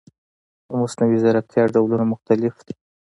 د مصنوعي ځیرکتیا ډولونه مختلف دي.